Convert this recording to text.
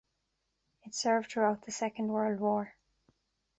It served throughout the Second World War.